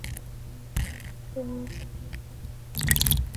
শহরের প্রধান মহাসড়ক কান্দাহার-হেরাত মূলত শহরের মধ্য দিয়ে চলে গেছে।